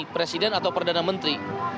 presiden atau perdana menteri